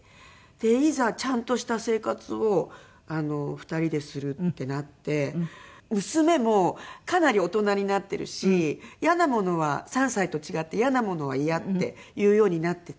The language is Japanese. いざちゃんとした生活を２人でするってなって娘もかなり大人になっているし嫌なものは３歳と違って嫌なものは嫌って言うようになっていて。